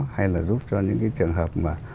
hay là giúp cho những cái trường hợp mà